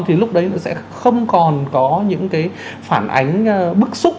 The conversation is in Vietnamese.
thì lúc đấy nó sẽ không còn có những cái phản ánh bức xúc